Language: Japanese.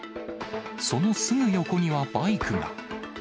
そのすぐ横にはバイクが。